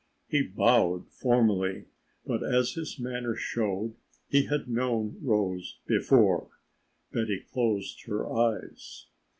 He bowed formally, but as his manner showed he had known Rose before, Betty closed her eyes.